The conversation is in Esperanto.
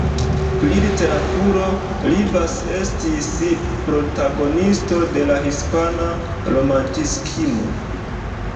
Pri literaturo, Rivas estis protagonisto de la hispana romantikismo.